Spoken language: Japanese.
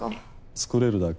作れるだけ。